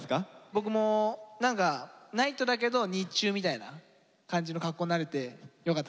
僕も何か「ＮＩＧＨＴ」だけど日中みたいな感じの格好になれてよかったです。